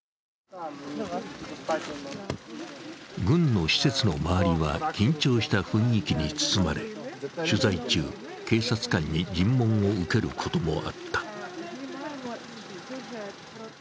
軍の施設の周りは緊張した雰囲気に包まれ、取材中、警察官に尋問を受けることもあった。